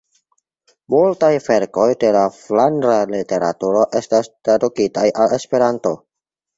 Multaj verkoj de la flandra literaturo estas tradukitaj al Esperanto.